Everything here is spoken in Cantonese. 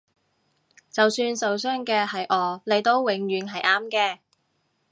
就算受傷嘅係我你都永遠係啱嘅